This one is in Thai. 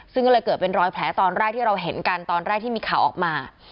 ซึ่งก็เลยเกิดเป็นรอยแผลตอนแรกที่เราเห็นกันตอนแรกที่มีข่าวออกมา